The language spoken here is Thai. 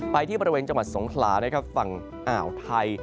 ที่บริเวณจังหวัดสงขลานะครับฝั่งอ่าวไทย